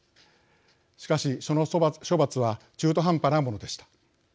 しかしその処罰は中途半端なものでした。